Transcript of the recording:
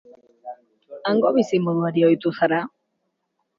Hango bizimoduari ohitu zara?